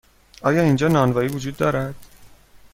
آیا اینجا نانوایی وجود دارد؟